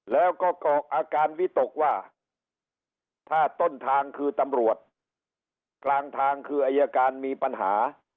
แล้วก็กอกอาการวิตกว่าถ้าต้นทางคือตำรวจกลางทางคืออายการมีปัญหา